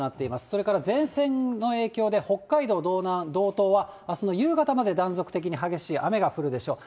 それから前線の影響で、北海道道南、道東はあすの夕方まで断続的に激しい雨が降るでしょう。